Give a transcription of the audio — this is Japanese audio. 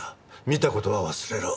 見た事は忘れろ。